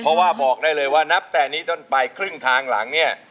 เพราะว่าบอกได้เลยว่านับแต่นี้ต้นไปครึ่งทางหลังเนี่ย